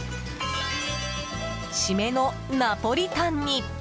シメのナポリタンに。